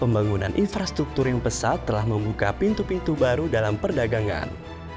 pembangunan infrastruktur yang pesat telah membuka pintu pintu baru dalam perdagangan